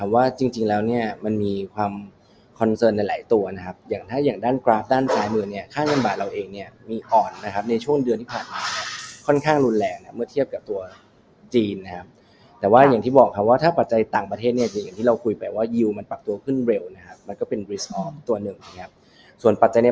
ว่าจริงจริงแล้วเนี้ยมันมีความในหลายตัวนะครับอย่างถ้าอย่างด้านกราฟต์ด้านซ้ายมือเนี้ยค่าเงินบาทเราเองเนี้ยมีอ่อนนะครับในช่วงเดือนที่ผ่านมาค่อนข้างรุนแรงนะครับเมื่อเทียบกับตัวจีนนะครับแต่ว่าอย่างที่บอกค่ะว่าถ้าปัจจัยต่างประเทศเนี้ยอย่างที่เราคุยไปว่ายิวมันปรับตัวขึ้นเร็ว